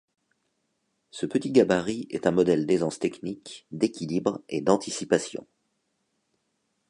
Ce petit gabarit est un modèle d'aisance technique, d'équilibre et d'anticipation.